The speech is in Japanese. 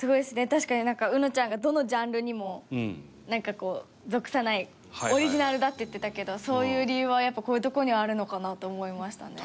確かにうのちゃんが「どのジャンルにも属さないオリジナルだ」って言ってたけどそういう理由はやっぱりこういうところにあるのかなと思いましたね。